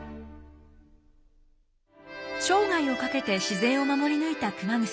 生涯をかけて自然を守り抜いた熊楠。